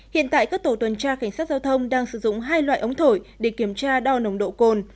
hiện tại các tổ tuần tra cảnh sát giao thông đang sử dụng hai loại ống thổi để kiểm tra đo nồng độ cồn